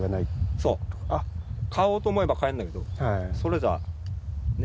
そう買おうと思えば買えるんだけどそれじゃね。